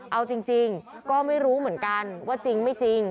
เอาจริงก็ไม่รู้เหมือนกันว่าจริงไม่จริง